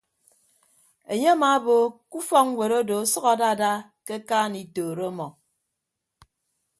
Enye amaabo ke ufọkñwet odo ọsʌk adada ke akaan itooro ọmọ.